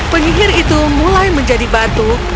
penyihir itu mulai menjadi batu